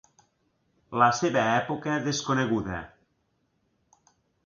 La seva època desconeguda.